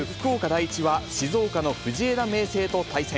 第一は、静岡の藤枝明誠と対戦。